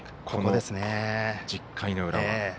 この１０回の裏は。